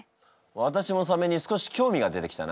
私もサメに少し興味が出てきたな。